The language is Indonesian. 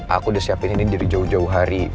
aku udah siapin ini dari jauh jauh hari